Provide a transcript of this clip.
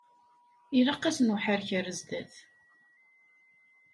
Ilaq-asen uḥerrek ar zdat.